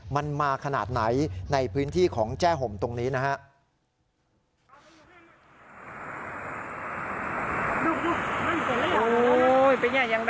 มันมาขนาดไหนในพื้นที่ของแจ้ห่มตรงนี้นะฮะ